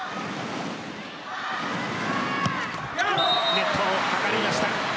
ネットにかかりました。